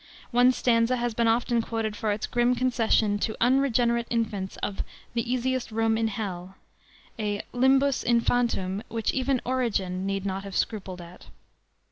One stanza has been often quoted for its grim concession to unregenerate infants of "the easiest room in hell" a limbus infantum which even Origen need not have scrupled at.